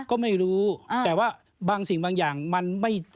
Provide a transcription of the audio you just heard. ก็ไม่รู้แต่ว่าบางสิ่งบางอย่างมันไม่